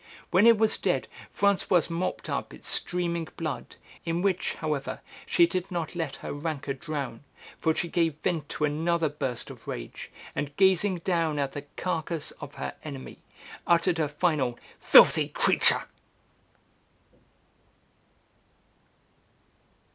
When it was dead Françoise mopped up its streaming blood, in which, however, she did not let her rancour drown, for she gave vent to another burst of rage, and, gazing down at the carcass of her enemy, uttered a final "Filthy creature!"